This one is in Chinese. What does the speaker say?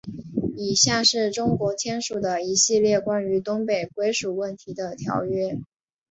以下是中国签署的一系列关于东北归属问题的条约。